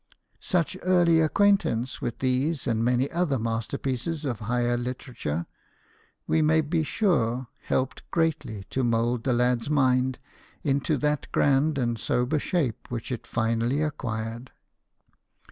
Such early acquaintance with these and many other masterpieces of higher literature, we may be sure, helped greatly to mould the lad's mind into that grand and sober shape which it finally acquired.